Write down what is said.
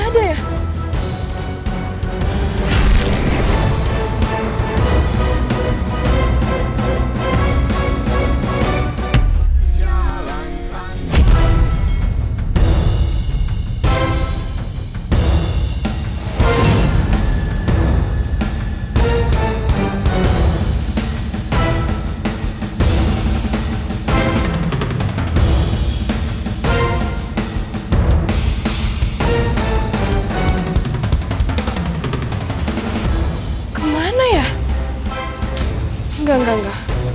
sekarang nggak ada ya